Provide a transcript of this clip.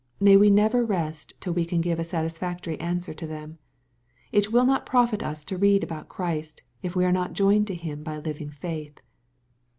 May we never rest till we can give a satisfactory answer to them. It will not profit us to read about Christ, if we are not joined to Him by living faith.